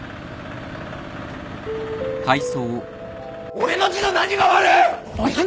俺の字の何が悪い！